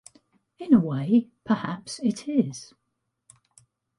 In a way, perhaps, it is.